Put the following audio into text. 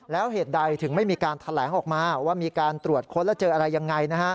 แล้วเหตุใดถึงไม่มีการแถลงออกมาว่ามีการตรวจค้นแล้วเจออะไรยังไง